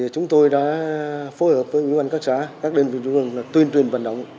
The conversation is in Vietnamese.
chúng tôi đã phối hợp với nguyễn văn cát xã các đơn vị vận động là tuyên truyền vận động